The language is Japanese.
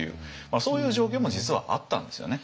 そういう状況も実はあったんですよね。